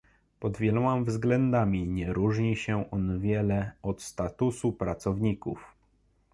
Pod wieloma względami nie różni się on wiele od statusu pracowników